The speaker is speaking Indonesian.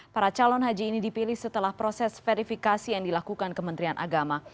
para calon haji ini dipilih setelah proses verifikasi yang dilakukan kementerian agama